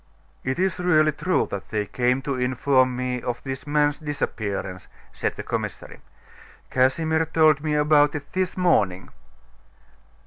"It is really true that they came to inform me of this man's disappearance," said the commissary. "Casimir told me about it this morning."